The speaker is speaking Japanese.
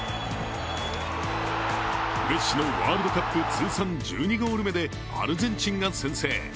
メッシのワールドカップ通算１２ゴール目でアルゼンチンが先制。